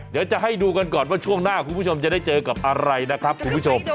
เดี๋ยวจะให้ดูกันก่อนว่าช่วงหน้าคุณผู้ชมจะได้เจอกับอะไรนะครับคุณผู้ชม